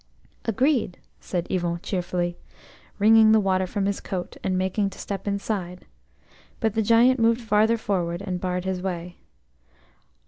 "Agreed," said Yvon cheerfully, wringing the water from his coat and making to step inside. But the Giant moved farther forward and barred his way.